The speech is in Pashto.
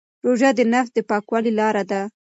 روژه د نفس د پاکوالي لاره ده.